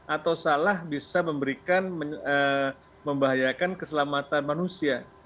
atau salah bisa memberikan membahayakan keselamatan manusia